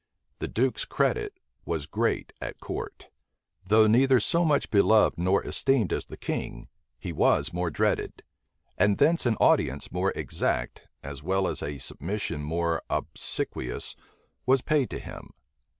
The duke's credit was great at court. Though neither so much beloved nor esteemed as the king, he was more dreaded; and thence an attendance more exact, as well as a submission more obsequious, was paid to him.